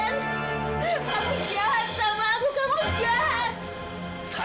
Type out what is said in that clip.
kamu jahat sama aku kamu jahat